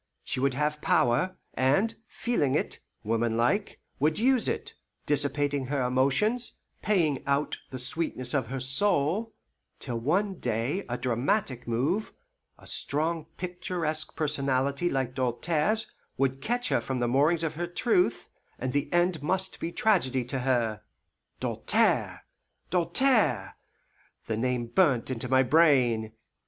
She would have power, and feeling it, womanlike, would use it, dissipating her emotions, paying out the sweetness of her soul, till one day a dramatic move, a strong picturesque personality like Doltaire's, would catch her from the moorings of her truth, and the end must be tragedy to her. Doltaire! Doltaire! The name burnt into my brain.